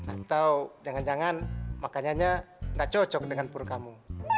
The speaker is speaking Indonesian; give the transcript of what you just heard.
atau jangan jangan makanannya nggak cocok dengan pur kamu